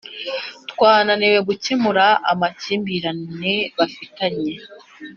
twananiwe gukemura amakimbirane abafitanye